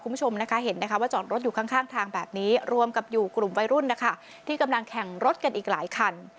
คุณผู้ชมนะคะเห็นนะคะว่าจอดรถอยู่ข้างทางแบบนี้รวมกับอยู่กลุ่มวัยรุ่นนะคะที่กำลังแข่งรถกันอีกหลายคัน